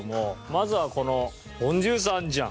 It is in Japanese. まずはこのポンジュースあるじゃん。